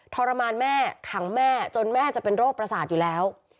ทรมานแม่ขังแม่จนแม่จะเป็นโรคประสาทอยู่แล้ว